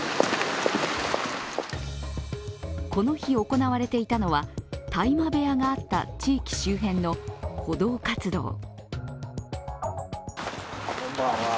この日、行われていたのは大麻部屋があった地域周辺の補導活動。